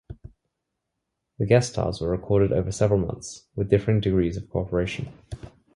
The guest stars were recorded over several months, with differing degrees of cooperation.